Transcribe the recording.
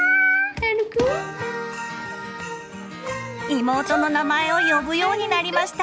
妹の名前を呼ぶようになりました！